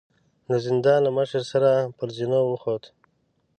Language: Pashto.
د زندان له مشر سره پر زينو وخوت.